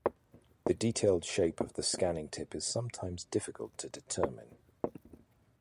The detailed shape of the scanning tip is sometimes difficult to determine.